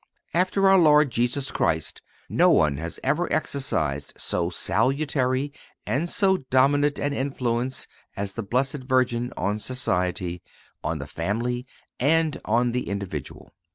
After our Lord Jesus Christ, no one has ever exercised so salutary and so dominant an influence as the Blessed Virgin on society, on the family and on the individual.